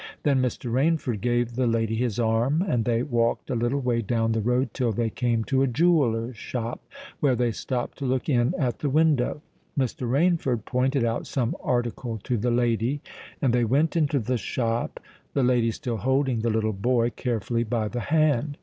Then Mr. Rainford gave the lady his arm; and they walked a little way down the road till they came to a jeweller's shop, where they stopped to look in at the window. Mr. Rainford pointed out some article to the lady; and they went into the shop, the lady still holding the little boy carefully by the hand.